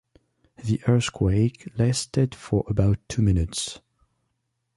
The earthquake lasted for about two minutes.